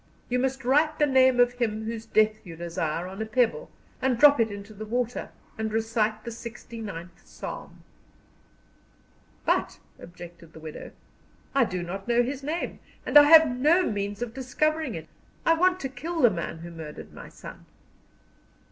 You must write the name of him whose death you desire on a pebble, and drop it into the water, and recite the sixty ninth Psalm." "But," objected the widow, "I do not know his name, and I have no means of discovering it. I want to kill the man who murdered my son."